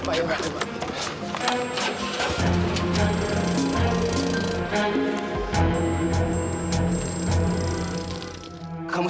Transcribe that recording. pak pak pak